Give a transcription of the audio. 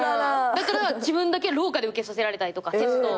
だから自分だけ廊下で受けさせられたりとかテストを。